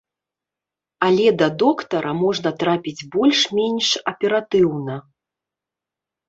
Але да доктара можна трапіць больш-менш аператыўна.